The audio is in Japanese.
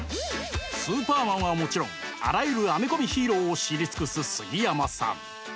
「スーパーマン」はもちろんあらゆるアメコミヒーローを知り尽くす杉山さん！